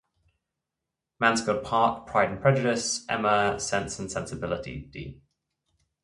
Mansfield Park, Pride and Prejudice, Emma, Sense and Sensibilityd.